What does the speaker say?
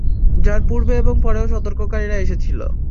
যার পূর্বে এবং পরেও সতর্ককারীরা এসেছিল।